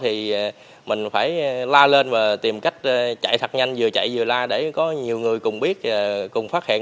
thì mình phải la lên và tìm cách chạy thật nhanh vừa chạy vừa la để có nhiều người cùng biết cùng phát hiện